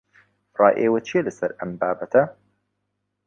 ڕای ئێوە چییە لەسەر ئەم بابەتە؟